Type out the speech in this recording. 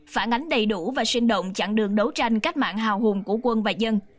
phản ánh đầy đủ và sinh động chặng đường đấu tranh cách mạng hào hùng của quân và dân